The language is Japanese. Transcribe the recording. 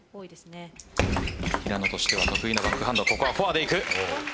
平野としては得意のバックハンド、ここはフォアでいく。